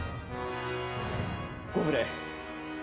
ご無礼。